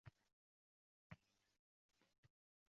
Ulg‘ayibman shekilli